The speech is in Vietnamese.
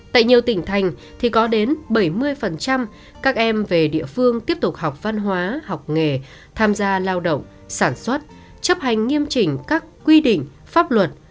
tại nhiều tỉnh thành thì có đến bảy mươi các em về địa phương tiếp tục học văn hóa học nghề tham gia lao động sản xuất chấp hành nghiêm chỉnh các quy định pháp luật